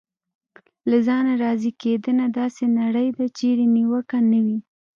له ځانه راضي کېدنه: داسې نړۍ ده چېرې نیوکه نه وي.